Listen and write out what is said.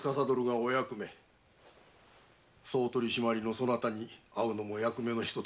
「総取締」のそなたに会うのも役目の一つじゃ。